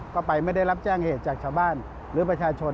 ก็ไปไม่ได้รับแจ้งเหตุจากชาวบ้านหรือประชาชน